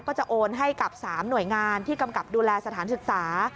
ก็จะโอนให้กับ๓หน่วยงานที่กำกับดูแลสถานศึกษา